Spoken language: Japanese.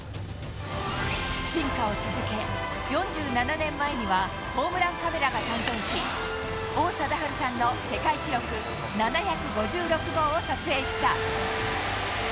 進化を続け、４７年前にはホームランカメラが誕生し、王貞治さんの世界記録７５６号を撮影した。